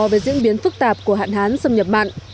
về diễn biến phức tạp của hạn hán xâm nhập mặn